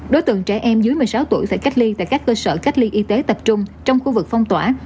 đối tượng trẻ em dưới một mươi sáu tuổi phải cách ly tại các cơ sở cách ly y tế tập trung trong khu vực phong tỏa